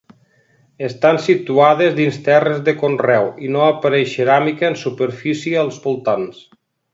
Estan situades dins terres de conreu i no apareix ceràmica en superfície als voltants.